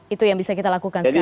itu yang bisa kita lakukan sekarang